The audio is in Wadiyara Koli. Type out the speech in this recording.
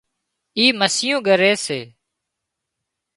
اِي مسيون ڳريس سي